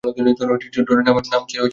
চিত্রনাট্যের প্রাথমিক নাম ছিল "ডি।"